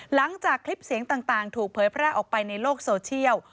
หลังจากคลิปเสียงต่างถูกเผยแพร่ออกไปในโลกโซเชียล